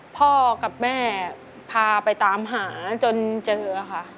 พ่อกับแม่พาไปตามหาจนเจอค่ะ